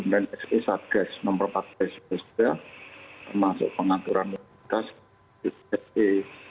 dan diantar churchwick ke kesempatan kita